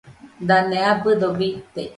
Dane abɨdo bite